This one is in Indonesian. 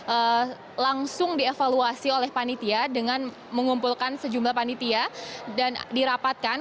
ini langsung dievaluasi oleh panitia dengan mengumpulkan sejumlah panitia dan dirapatkan